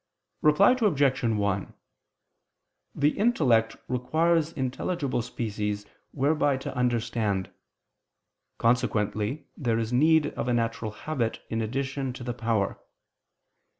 Reply Obj. 1: The intellect requires intelligible species whereby to understand: consequently there is need of a natural habit in addition to the power.